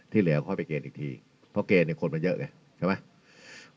เหลือค่อยไปเกณฑ์อีกทีเพราะเกณฑ์เนี่ยคนมันเยอะไงใช่ไหม